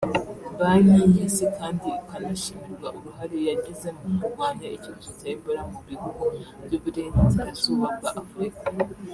Banki y’isi kandi ikanashimirwa uruhare yagize mu kurwanya icyorezo cya Ebola mu bihugu by’uburengerazuba bwa Afurika